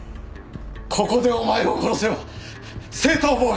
ここでお前を殺せば正当防衛になる。